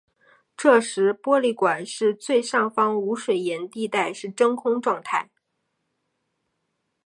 这时玻璃管最上方无水银地带是真空状态。